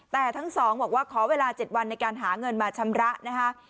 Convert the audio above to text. แต่ทั้งสองบอกว่าขอเวลา๗วันในการหาเงินมาชำระนะคะ